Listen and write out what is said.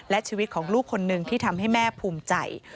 และชีวิตของลูกคนหนึ่งที่ทำให้แม่ภูมิใจ